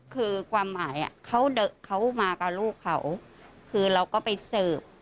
คือความหมายเขามากับลูกเขาคือเราก็ไปเสิร์ฟ